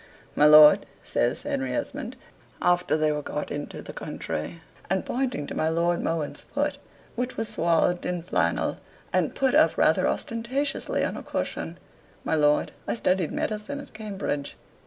"My lord," says Harry Esmond, after they were got into the country, and pointing to my Lord Mohun's foot, which was swathed in flannel, and put up rather ostentatiously on a cushion "my lord, I studied medicine at Cambridge."